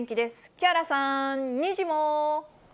木原さん、にじモ。